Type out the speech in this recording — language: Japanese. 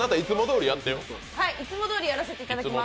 いつもどおりやらせていただきます。